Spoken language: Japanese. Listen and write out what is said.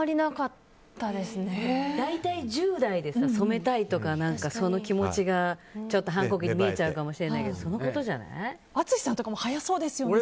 大体１０代で染めたいとかその気持ちが反抗期で見えちゃうかもしれないけど淳さんとかも早そうですよね。